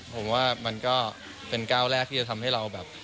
ผมว่ามันก็เป็นก้าวแรกที่จะทำให้เราแบบ